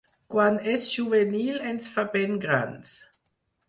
Quan és juvenil ens fa ben grans.